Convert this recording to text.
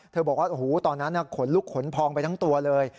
เธอบอกว่าโอ้โหตอนนั้นน่ะขนลูกขนพองไปทั้งตัวเลย